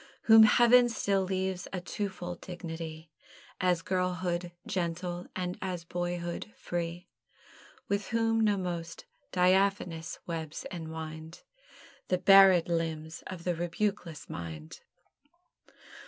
Whom Heaven still leaves a twofold dignity, As girlhood gentle, and as boyhood free; With whom no most diaphanous webs enwind The barèd limbs of the rebukeless mind.